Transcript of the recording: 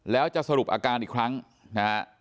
แล้วจะสรุปอาการอีกครั้งนะฮะ